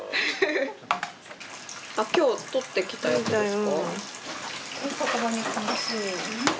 今日獲ってきたやつですか？